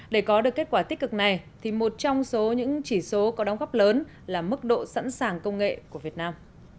để có được kết quả tích cực này thì một trong số những chỉ số có đóng góp lớn là mức độ sẵn sàng công nghệ của việt nam